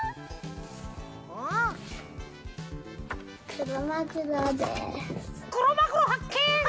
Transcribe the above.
クロマグロはっけん！